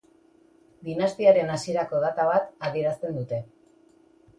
Dinastiaren hasierako data bat adierazten dute.